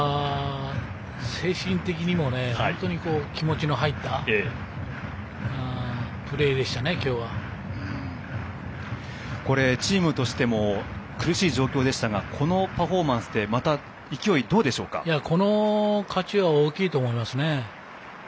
精神的にも本当に気持ちの入ったチームとしても苦しい状況でしたがこのパフォーマンスでこの勝ちは大きいと思いますね。